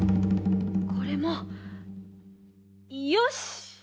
これもよしっ！